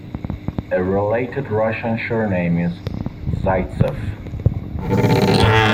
A related Russian surname is Zaytsev.